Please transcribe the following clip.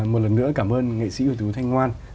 một lần nữa cảm ơn nghệ sĩ ủi thú thanh ngoan